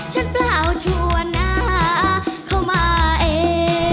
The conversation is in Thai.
ฉันเปล่าชัวร์นะเข้ามาเอง